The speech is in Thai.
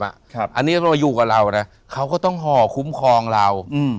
ครับอันนี้ต้องมาอยู่กับเรานะเขาก็ต้องห่อคุ้มครองเราอืม